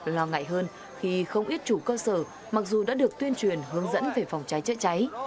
lo ngại hơn khi không ít chủ cơ sở mặc dù đã được tuyên truyền hướng dẫn về phòng cháy chữa cháy